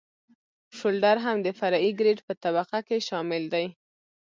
شولډر هم د فرعي ګریډ په طبقه کې شامل دی